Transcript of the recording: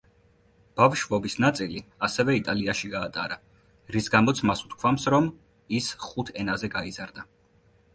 ბავშვობის ნაწილი ასევე იტალიაში გაატარა, რის გამოც მას უთქვამს, რომ ის „ხუთ ენაზე გაიზარდა“.